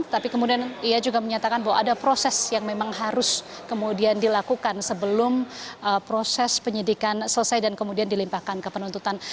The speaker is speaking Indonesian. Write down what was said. tapi kemudian ia juga menyatakan bahwa ada proses yang memang harus kemudian dilakukan sebelum proses penyidikan selesai dan kemudian dilimpahkan ke penuntutan